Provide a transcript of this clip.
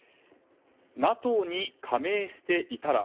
ＮＡＴＯに加盟していたら。